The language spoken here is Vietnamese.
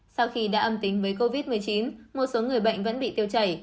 sau khi đã âm tính với covid một mươi chín một số người bệnh vẫn bị tiêu chảy